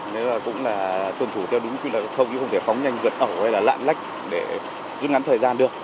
nếu là cũng là tuần thủ theo đúng quy luật không thể phóng nhanh gần ẩu hay là lạn lách để dứt ngắn thời gian được